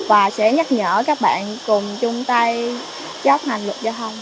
và sẽ nhắc nhở các bạn cùng chung tay chấp hành luật giao thông